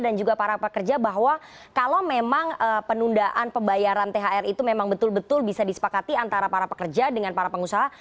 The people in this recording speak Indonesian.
dan juga para pekerja bahwa kalau memang penundaan pembayaran thr itu memang betul betul bisa disepakati antara para pekerja dengan para pengusaha